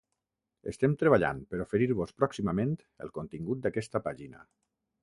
Estem treballant per oferir-vos pròximament el contingut d'aquesta pàgina.